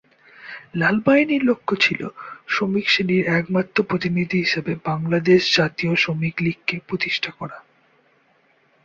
লাল বাহিনীর লক্ষ্য ছিল শ্রমিক শ্রেণির একমাত্র প্রতিনিধি হিসেবে বাংলাদেশ জাতীয় শ্রমিক লীগকে প্রতিষ্ঠিত করা।